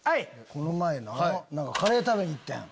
この前なカレー食べに行ってん。